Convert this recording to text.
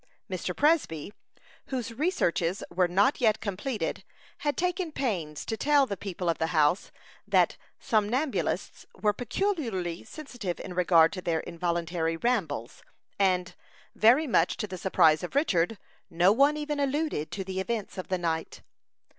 Mr. Presby, whose researches were not yet completed, had taken pains to tell the people of the house, that somnambulists were peculiarly sensitive in regard to their involuntary rambles, and, very much to the surprise of Richard, no one even alluded to the events of the night.